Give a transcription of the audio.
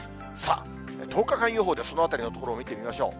１０日間予報でそのあたりのところを見てみましょう。